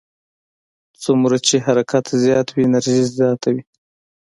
څومره چې حرکت زیات وي انرژي زیاته وي.